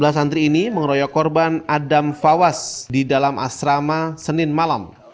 dua belas santri ini mengeroyok korban adam fawas di dalam asrama senin malam